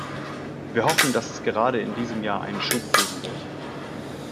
Wir hoffen, dass es gerade in diesem Jahr einen Schub geben wird.